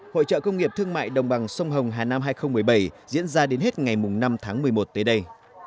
hội trợ công nghiệp thương mại đồng bằng sông hồng hà nam hai nghìn một mươi bảy diễn ra đến hết ngày năm tháng một mươi một tới đây